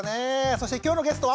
そして今日のゲストは！